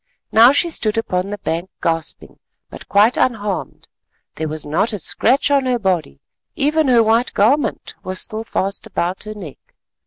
Now she stood upon the bank gasping but quite unharmed; there was not a scratch on her body; even her white garment was still fast about her neck.